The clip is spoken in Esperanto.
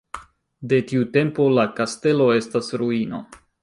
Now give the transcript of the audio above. De tiu tempo la kastelo estas ruino.